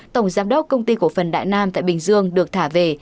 tổng giám đốc công ty cổ phần đại nam tại bình dương được thả về